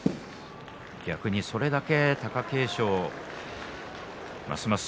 それだけ貴景勝ますます